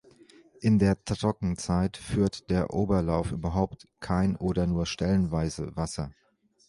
In der Trockenzeit führt der Oberlauf überhaupt kein oder nur stellenweise Wasser.